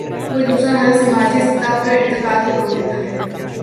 کوئی دوسرا حل سماجی سطح پر ارتقا کو روک دیتا ہے۔